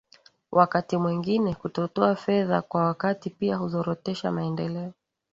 wakati mwengine kutotoa fedha kwa wakati pia huzorotesha maendeleo